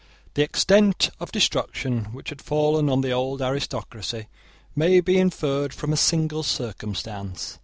The extent of destruction which had fallen on the old aristocracy may be inferred from a single circumstance.